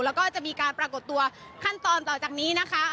แล้วก็จะมีการปรากฏตัวขั้นตอนต่อจากนี้นะคะ